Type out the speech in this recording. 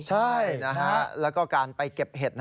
ใช่นะฮะแล้วก็การไปเก็บเห็ด